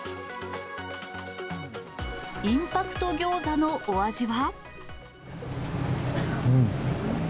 インパクトギョーザのお味は？